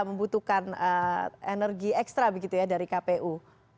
membutuhkan energi ekstra dari kpu